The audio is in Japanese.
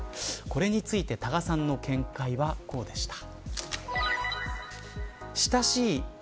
これについて多賀さんの見解はこうでした。